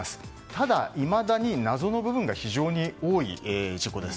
ただ、いまだに謎の部分が非常に多い事故です。